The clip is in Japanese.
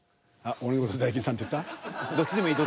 俺の事大吉さんって言った？